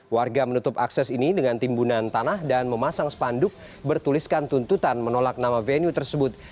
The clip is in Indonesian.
warga menutup akses ini dengan timbunan tanah dan memasang spanduk bertuliskan tuntutan menolak nama venue tersebut